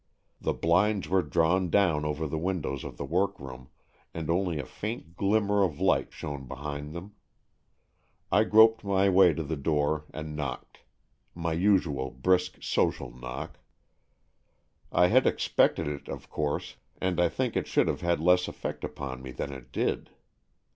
The blinds were drawn down over the windows of the workroom, and only a faint glimmer of light shone behind them. I groped my way to the door and knocked — my usual brisk, social knock. I had expected it, of course, and I think it should have had less effect upon me than it did.